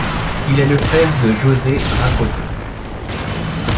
Il est le frère de José Rakoto.